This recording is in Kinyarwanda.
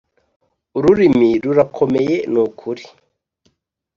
ururimi rurakomeye, nukuri!